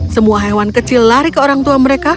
semua hewan kecil lari ke orang tua mereka